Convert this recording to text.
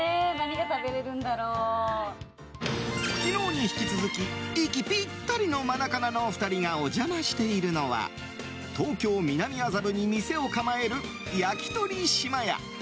昨日に引き続き息ぴったりのマナカナの２人がお邪魔しているのは東京・南麻布に店を構えるやきとり嶋家。